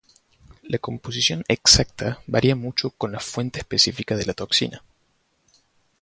La composición exacta varía mucho con la fuente específica de la toxina.